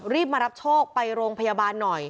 มารับโชคไปโรงพยาบาลหน่อย